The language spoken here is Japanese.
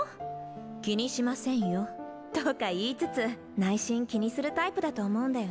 「気にしませんよ」とか言いつつ内心気にするタイプだと思うんだよね。